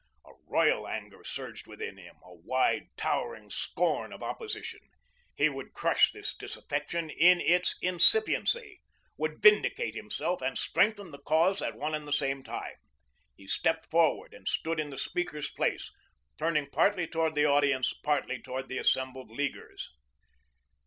A royal anger surged within him, a wide, towering scorn of opposition. He would crush this disaffection in its incipiency, would vindicate himself and strengthen the cause at one and the same time. He stepped forward and stood in the speaker's place, turning partly toward the audience, partly toward the assembled Leaguers.